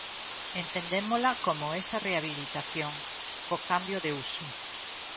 Entendémola como esa rehabilitación, co cambio de uso.